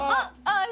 あっ！